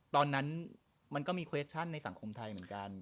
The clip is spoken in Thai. ตอนนั้นมันก็มีเครชชั่นในสังคมไทยเหมือนกัน